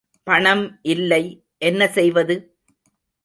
பணம் இல்லை என்ன செய்வது?